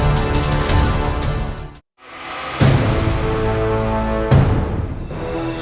dan kita akan menang